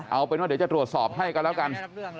เอาเป็นว่าเดี๋ยวจะตรวจสอบให้กันแล้วกัน